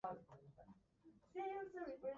好き